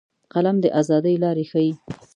قلم د ازادۍ لارې ښيي